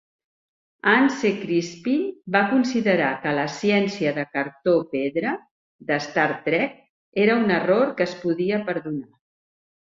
Ann C. Crispin va considerar que la ciència de cartó-pedra d'"Star Trek" era un error que es podia perdonar.